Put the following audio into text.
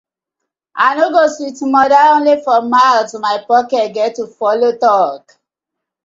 I no go sweet mother only for mouth, my pocket get to follo tok.